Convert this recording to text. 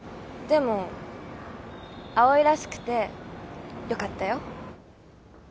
でも葵らしくてよかったよ。